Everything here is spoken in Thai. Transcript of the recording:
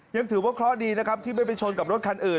ยังถือว่าเคราะห์ดีนะครับที่ไม่ไปชนกับรถคันอื่น